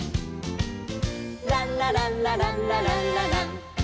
「ランラランラランラランララン」